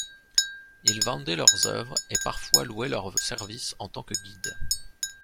Ils vendaient leurs œuvres et parfois louaient leur service en tant que guide.